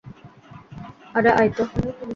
আরে আয় তো।